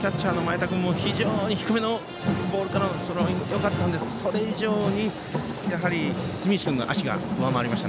キャッチャーの前田君も非常に低めのボールからのスローイング、よかったんですがそれ以上に住石君の足が上回りました。